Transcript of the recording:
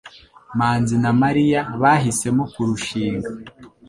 manzi na Mariya bahisemo kurushinga